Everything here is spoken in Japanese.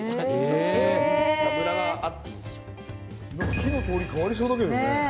火の通りが変わりそうだけどね。